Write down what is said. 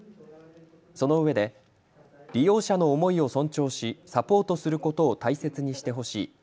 そのうえで利用者の思いを尊重しサポートすることを大切にしてほしい。